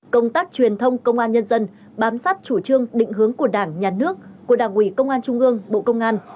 công tác truyền thông công an nhân dân bám sát chủ trương định hướng của đảng nhà nước của đảng ủy công an trung ương bộ công an